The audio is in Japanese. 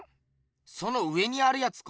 その上にあるやつか？